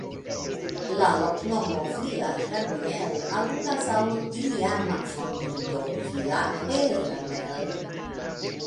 La loknomo "Villarramiel" aludas al iama fondinto ("Villa Herramel").